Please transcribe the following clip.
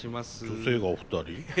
女性がお二人。